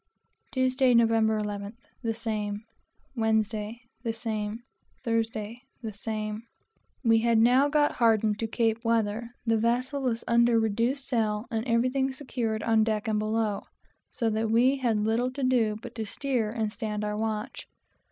Tuesday, Nov. 11th. The same. Wednesday, Nov. 12th. The same. Thursday, Nov. 13th. The same. We had now got hardened to Cape weather, the vessel was under reduced sail, and everything secured on deck and below, so that we had little to do but steer and to stand our watch.